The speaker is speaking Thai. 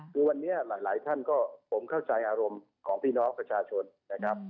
คือวันนี้หลายท่านก็ผมเข้าใจอารมณ์ของพี่น้องประชาชนนะครับ